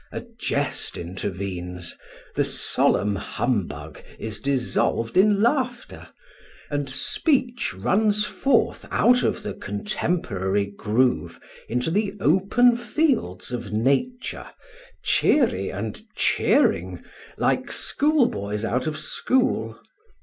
A jest intervenes, the solemn humbug is dissolved in laughter, and speech runs forth out of the contemporary groove into the open fields of nature, cheery and cheering, like schoolboys out of school.